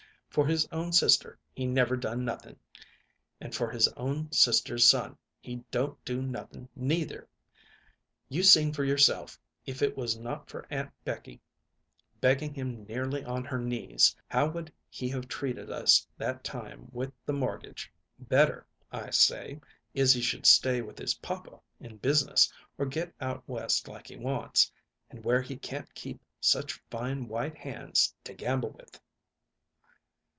For his own sister he never done nothing, and for his own sister's son he don't do nothing, neither. You seen for yourself, if it was not for Aunt Becky begging him nearly on her knees, how he would have treated us that time with the mortgage. Better, I say, Izzy should stay with his papa in business or get out West like he wants, and where he can't keep such fine white hands to gamble with."